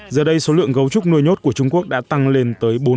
giờ đây số lượng gấu trúc nuôi nhốt của trung quốc đã tăng lên tới bốn trăm năm mươi con